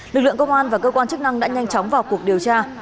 lực lượng công an và cơ quan chức năng đã nhanh chóng vào cuộc điều tra